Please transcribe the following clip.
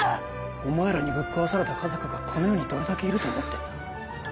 お前らにぶっ壊された家族がこの世にどれだけいると思ってんだ